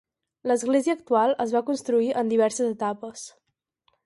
L'església actual es va construir en diverses etapes.